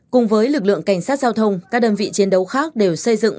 cùng với lực lượng cảnh sát giao thông các đơn vị chiến đấu khác đều xây dựng